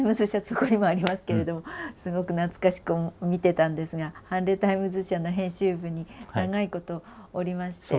そこにもありますけれどもすごく懐かしく見てたんですが判例タイムズ社の編集部に長いことおりまして。